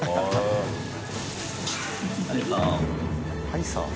「はいさー」？